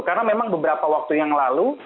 karena memang beberapa waktu yang lalu